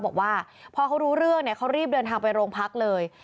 บอกว่าพอเขารู้เรื่องเนี่ยเขารีบเดินทางไปโรงพักเลย